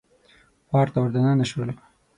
پارک ته ور دننه شولو.